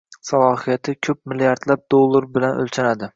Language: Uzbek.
salohiyati ko‘p milliardlab dollar bilan o‘lchanadi.